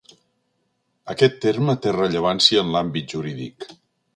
Aquest terme té rellevància en l'àmbit jurídic.